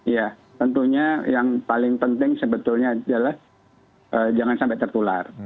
ya tentunya yang paling penting sebetulnya adalah jangan sampai tertular